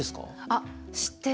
あ知ってる！